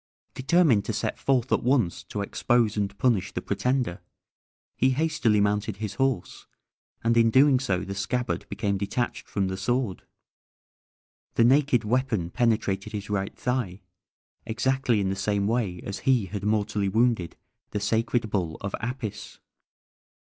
Determined to set forth at once to expose and punish the pretender, he hastily mounted his horse, and in so doing the scabbard becoming detached from the sword, the naked weapon penetrated his right thigh, exactly in the same way as he had mortally wounded the sacred bull of Apis!